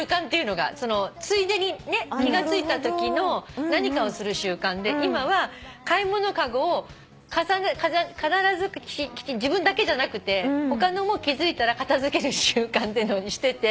ついでに気が付いたときの何かをする週間で今は買い物籠を自分だけじゃなくて他のも気付いたら片付ける週間っていうのにしてて。